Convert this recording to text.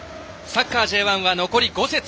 サッカーＪ１は残り５節。